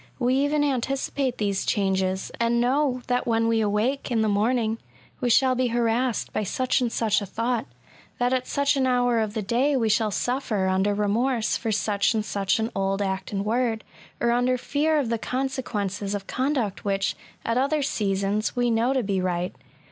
We even anticipate these changes, and know that when we awake in the morning, we shall be harassed by such and such a thought;, that at such an hour of the day we shall suffer under remorse for such and such an old act and word, or under fear of the con sequences of conduct which, at other seasons, we know to be right.